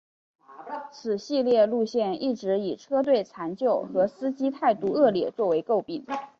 此系列路线一直以车队残旧和司机态度恶劣作为垢病。